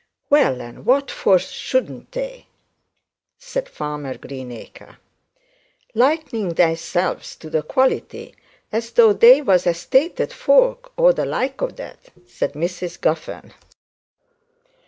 'Well, and what for shouldn't they?' said Farmer Greenacre. 'Likening theyselves to the quality, as though they was estated folk, or the like o' that!' said Mrs Guffern.